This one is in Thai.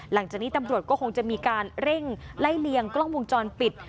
หลังจากนี้ตำรวจก็คงจะมีการเร่งไล่เลียงกล้องวงจรปิด